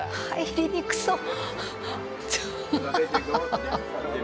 入りにくそう。